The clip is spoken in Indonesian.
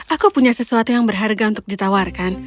aku punya sesuatu yang berharga untuk ditawarkan